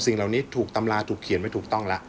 สิ่งเหล่านี้ถูกตำราถูกเขียนไว้ถูกต้องแล้ว